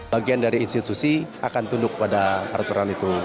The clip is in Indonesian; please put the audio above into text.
bagian dari institusi akan tunduk pada aturan itu